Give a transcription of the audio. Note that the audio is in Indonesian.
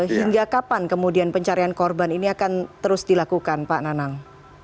hingga kapan kemudian pencarian korban ini akan terus dilakukan pak nanang